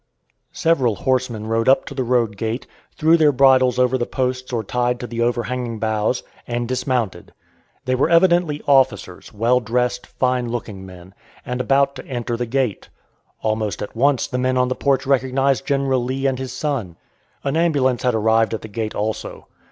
Several horsemen rode up to the road gate, threw their bridles over the posts or tied to the overhanging boughs, and dismounted. They were evidently officers, well dressed, fine looking men, and about to enter the gate. Almost at once the men on the porch recognized General Lee and his son. An ambulance had arrived at the gate also.